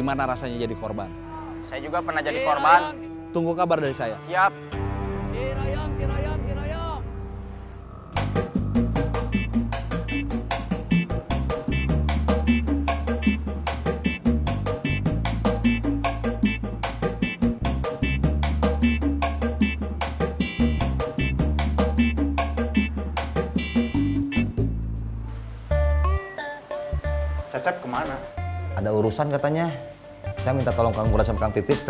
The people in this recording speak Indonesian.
masih di rumah sakit